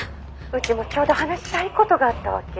☎うちもちょうど話したいことがあったわけ。